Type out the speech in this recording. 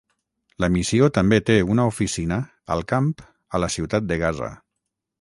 La Missió també té una oficina al camp a la ciutat de Gaza.